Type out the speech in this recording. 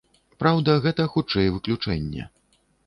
Праўда, гэта хутчэй выключэнне.